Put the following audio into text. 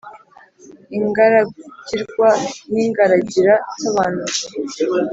ingaragirwa n’ingaragira nsobanuzi.